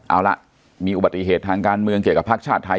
เอาล่ะมีอุบัติเหตุทางการเมืองเกี่ยวกับภาคชาติไทย